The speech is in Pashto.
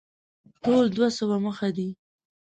ټول دوه سوه مخه دی.